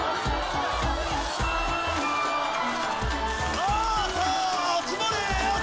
さあさあ集まれ集まれ！